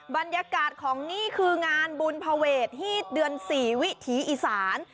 บรรยากาศของนี่คืองานบุญภเวทฮีตเดือน๔วิถีอีสาน